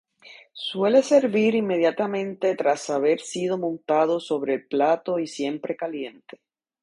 Se suele servir inmediatamente tras haber sido montado sobre el plato y siempre caliente.